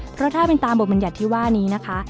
เพราะถ้าเป็นตามบทบรรยัติที่ว่านี้นะคะ